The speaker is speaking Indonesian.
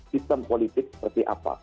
sistem politik seperti apa